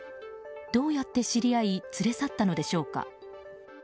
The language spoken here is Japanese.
どうやって知り合い連れ去ったのでしょうか？